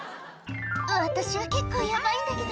「私は結構ヤバいんだけど」